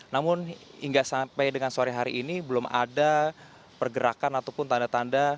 namun hingga sampai dengan sore hari ini belum ada pergerakan ataupun tanda tanda